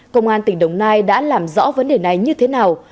công an tỉnh đồng nai đã làm rõ vấn đề này như thế nào